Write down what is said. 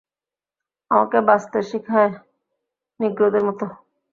আমাকে বাচতে শিখায় নিগ্রোদের মত।